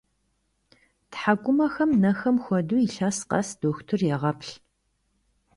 ТхьэкӀумэхэм, нэхэм хуэдэу, илъэс къэс дохутыр егъэплъ.